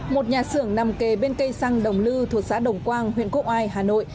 một nhà xưởng nằm kề bên cây xăng đồng lư thuộc xã đồng quang huyện cô ai hà nội